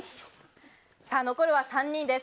残るは３人です。